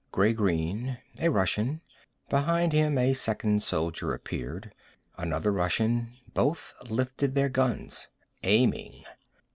Gray green. A Russian. Behind him a second soldier appeared, another Russian. Both lifted their guns, aiming.